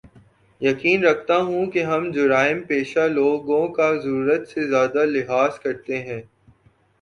یقین رکھتا ہوں کے ہم جرائم پیشہ لوگوں کا ضرورت سے زیادہ لحاظ کرتے ہیں